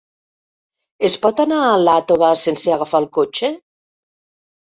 Es pot anar a Iàtova sense agafar el cotxe?